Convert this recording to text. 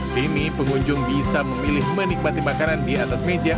sini pengunjung bisa memilih menikmati makanan di atas meja